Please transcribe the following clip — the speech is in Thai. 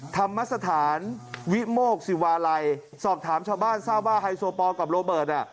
ธรรมสถานวิโมกศิวาลัยสอบถามชาวบ้านทราบว่าไฮโซปอลกับโรเบิร์ตอ่ะ